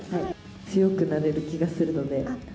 強くなれる気がするので。